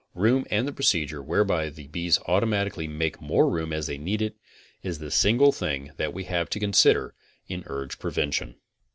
Room, and the procedure whereby the bees automatically make more room as they need it, is the single thing that we have to consider in urge prevention.